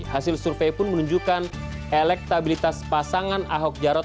hasil survei pun menunjukkan elektabilitas pasangan ahok jarot